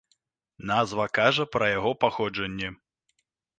Назва кажа пра яго паходжанне.